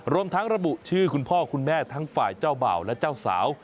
รวมทั้งระบุชื่อคุณพ่อคุณแม่ทั้งฝ่ายเจ้าบ่าวและเจ้าสาว